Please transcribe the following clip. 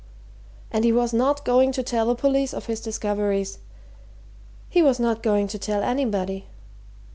And he was not going to tell the police of his discoveries he was not going to tell anybody.